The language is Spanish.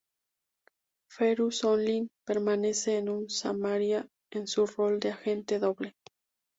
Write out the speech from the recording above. Ferus Olin permanece en Samaria en su rol de agente doble.